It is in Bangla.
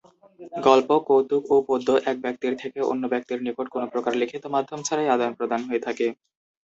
গল্প, কৌতুক, ও পদ্য এক ব্যক্তির থেকে অন্য ব্যক্তির নিকট কোন প্রকার লিখিত মাধ্যম ছাড়াই আদান-প্রদান হয়ে থাকে।